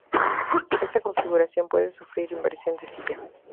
Esta configuración puede sufrir inversión de silla.